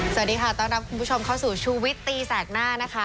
สวัสดีค่ะต้อนรับคุณผู้ชมเข้าสู่ชูวิตตีแสกหน้านะคะ